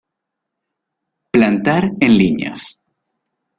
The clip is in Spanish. Plantar en líneas.